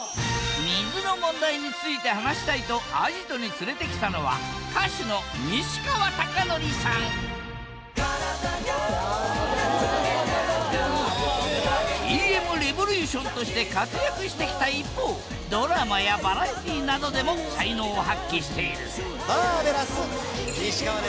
水の問題について話したいとアジトに連れてきたのはＴ．Ｍ．Ｒｅｖｏｌｕｔｉｏｎとして活躍してきた一方ドラマやバラエティーなどでも才能を発揮しているマーヴェラス西川です。